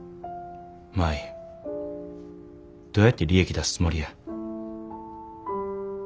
舞どうやって利益出すつもりや。